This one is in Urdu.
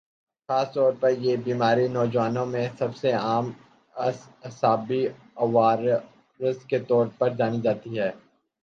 خاص طور پر یہ بیماری نوجوانوں میں سب سے عام اعصابی عوارض کے طور پر جانی جاتی ہے